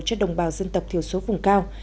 cho đồng bào dân tộc thiểu số vùng cao